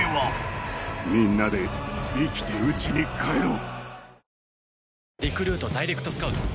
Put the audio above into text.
みんなで生きてうちに帰ろう。